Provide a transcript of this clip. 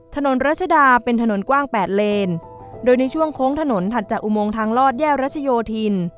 ถนนรัชดาเป็นถนนกว้างแปดเลนโดยในช่วงโค้งถนนถัดจากอุโมงทางลอดแยกรัชโยธิน